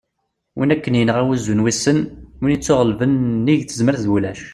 win akken yenɣa "wuzzu n wissen", win ittuɣellben : nnig tezmert d ulac